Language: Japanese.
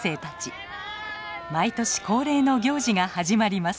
毎年恒例の行事が始まります。